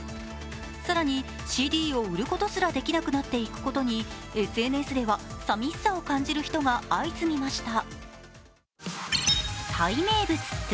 更に、ＣＤを売ることすらできなくなっていくことに、ＳＮＳではさみしさを感じる人が相次ぎました。